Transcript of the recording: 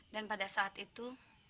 dan pada saat itu